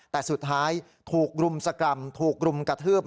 แต่สุดท้ายถูกรุมสกรรมถูกรุมกระทืบ